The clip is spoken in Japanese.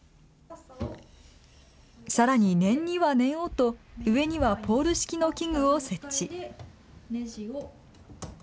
さらに念には念をと、上にはポール式の器具を設置。